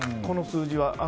この数字は。